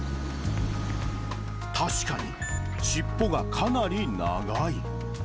確かに尻尾がかなり長い。